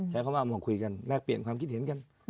ใช้คำว่ามาคุยกันแลกเปลี่ยนความคิดเห็นกัน